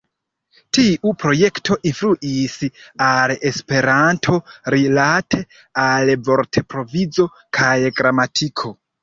Tiu projekto influis al Esperanto rilate al vortprovizo kaj gramatiko.